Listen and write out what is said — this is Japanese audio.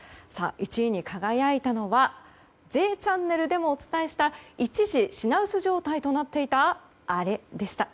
１位に輝いたのは「Ｊチャンネル」でもお伝えした一時品薄状態となっていたあれでした。